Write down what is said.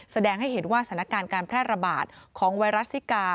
แสดงให้เห็นว่าสถานการณ์การแพร่ระบาดของไวรัสซิกา